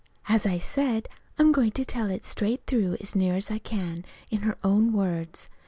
As I said, I'm going to tell it straight through as near as I can in her own words.